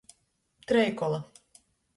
Trejkola.